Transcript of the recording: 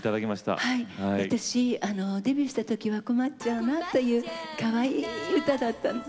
私デビューした時は「こまっちゃうナ」というかわいい歌だったんです。